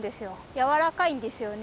柔らかいんですよね。